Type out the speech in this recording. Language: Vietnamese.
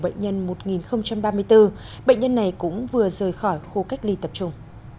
bệnh nhân một nghìn ba mươi bốn bệnh nhân này cũng vừa rời khỏi khu cách ly tập trung